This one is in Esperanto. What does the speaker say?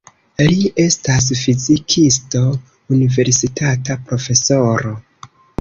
Li estas fizikisto, universitata profesoro.